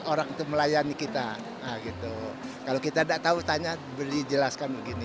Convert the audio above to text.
orang itu melayani kita gitu kalau kita enggak tahu tanya beri jelaskan begini